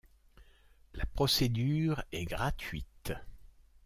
La procédure est gratuite.